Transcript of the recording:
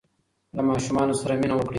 له ماشومانو سره مینه وکړئ.